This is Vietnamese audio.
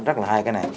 cái này là hai cái này